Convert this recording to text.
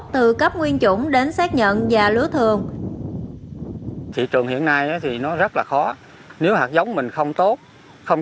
từ cấp nguyên chủng đến xác nhận và lứa thường